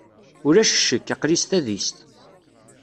Ulac ccekk, aql-i s tadist.